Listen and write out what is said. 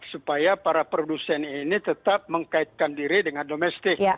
supaya para produsen ini tetap mengkaitkan diri dengan domestik